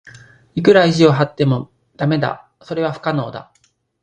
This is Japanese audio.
いくら意地を張っても駄目だ。それは不可能だ。